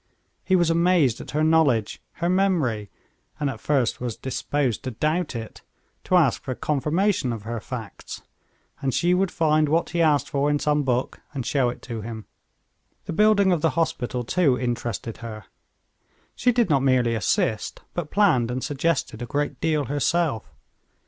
He was amazed at her knowledge, her memory, and at first was disposed to doubt it, to ask for confirmation of her facts; and she would find what he asked for in some book, and show it to him. The building of the hospital, too, interested her. She did not merely assist, but planned and suggested a great deal herself.